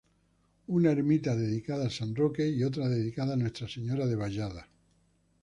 Una ermita dedicada a San Roque y otra dedicada a nuestra Señora de Vallada.